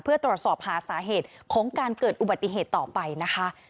เพื่อตรวจสอบหาสาเหตุของการเกิดอุบัติเหตุต่อไปนะคะ